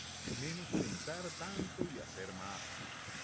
Menos pensar tanto y hacer más